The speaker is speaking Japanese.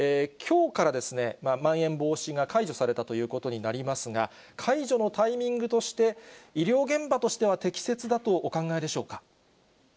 きょうからまん延防止が解除されたということになりますが、解除のタイミングとして、医療現場としては適切だとお考えでしょうか。